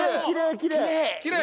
きれいきれい。